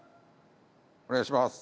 お願いします。